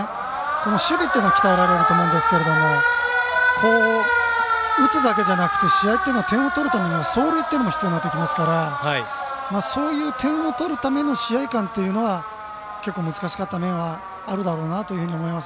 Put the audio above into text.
守備というのは鍛えられると思うんですが打つだけじゃなくて試合というのは点を取るために走塁も必要になってきますからそういう点を取るための試合勘というのは結構難しかった面はあるだろうなと思いました。